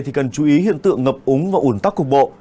thì cần chú ý hiện tượng ngập úng và ủn tắc cục bộ